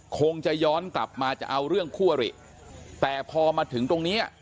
คงจะย้อนกลับมาจะเอาเรื่องคั่วหรี่แต่พอมาถึงตรงเนี้ย